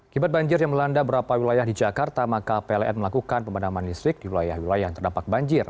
kibat banjir yang melanda berapa wilayah di jakarta maka pln melakukan pemadaman listrik di wilayah wilayah yang terdampak banjir